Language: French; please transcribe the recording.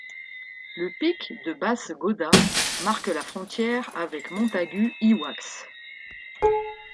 Le pic de Bassegoda marque la frontière avec Montagut i Oix.